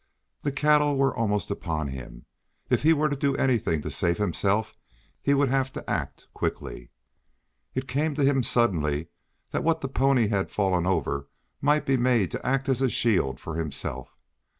The cattle were almost upon him. If he were to do anything to save himself he would have to act quickly. It came to him suddenly that what the pony had fallen over might be made to act as a shield for himself.